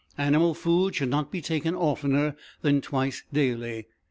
Animal food should not be taken oftener than twice daily.